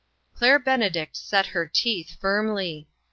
Claire Benedict set her teeth firmly.